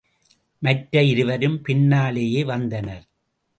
மற்ற இருவரும் பின்னாலேயே வந்தனர்.